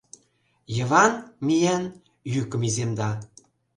Йыван, миен, йӱкым иземда.